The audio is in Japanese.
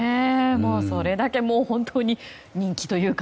それだけ本当に人気という。